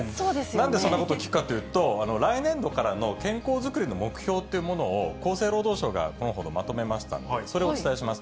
なんでそんなことを聞くかというと、来年度からの健康づくりの目標というものを、厚生労働省がこのほどまとめましたので、それをお伝えします。